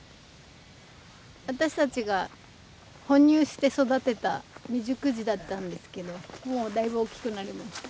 私たちが哺乳して育てた未熟児だったんですけどもうだいぶ大きくなりました。